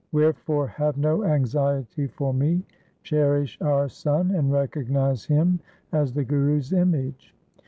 1 Wherefore have no anxiety for me. Cherish our son and recognize him as the Guru's image.'